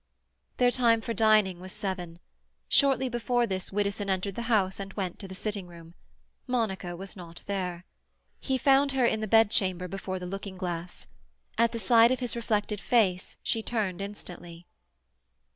Their time for dining was seven. Shortly before this Widdowson entered the house and went to the sitting room; Monica was not there. He found her in the bed chamber, before the looking glass. At the sight of his reflected face she turned instantly.